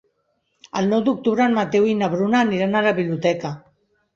El nou d'octubre en Mateu i na Bruna aniran a la biblioteca.